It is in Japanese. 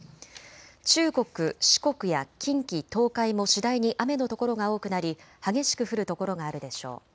中国、四国や近畿、東海も次第に雨の所が多くなり激しく降る所があるでしょう。